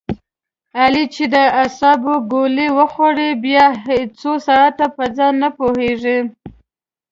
علي چې د اعصابو ګولۍ و خوري بیا څو ساعته په ځان نه پوهېږي.